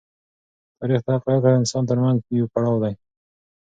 تاریخ د حقایقو او انسان تر منځ یو پړاو دی.